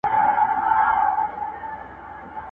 ته په ډله کي روان سه د څارویو!.